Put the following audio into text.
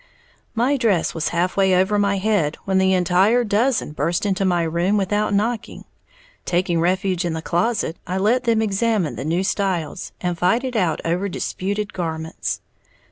My dress was half way over my head when the entire dozen burst into my room without knocking. Taking refuge in the closet, I let them examine the "new styles," and fight it out over disputed garments.